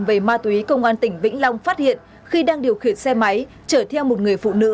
về ma túy công an tỉnh vĩnh long phát hiện khi đang điều khiển xe máy chở theo một người phụ nữ